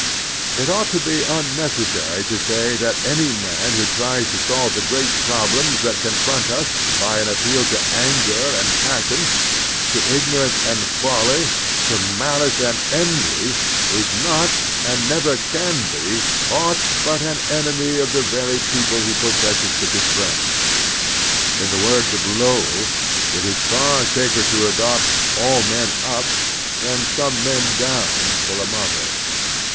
It ought to be tmnecessary to say that any man who tries to solve the great problems that con front us by an appeal to anger and passion, to ignorance and folly, to malice and envy, is not, and never can be, aught but an enemy of the very peo ple he professes to befriend. In the words of Lowell, it is far safer to adopt "All men up" than "Some men down" for a motto.